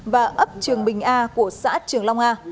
và ấp trường bình a của xã trường long a